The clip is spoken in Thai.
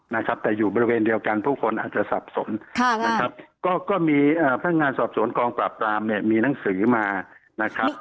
นะครับแต่อยู่บริเวณเดียวกันผู้คนอาจจะสับสนค่ะนะครับก็ก็มีพนักงานสอบสวนกองปราบปรามเนี่ยมีหนังสือมานะครับ